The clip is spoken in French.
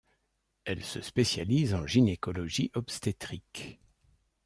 Elle se spécialise en gynécologie obstétrique.